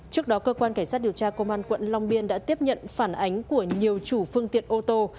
trước đó cơ quan cảnh sát điều tra công an quận long biên đã tiếp nhận phản ánh của nhiều chủ phương tiện ô tô